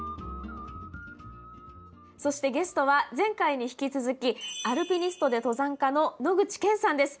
そしてゲストは前回に引き続きアルピニストで登山家の野口健さんです！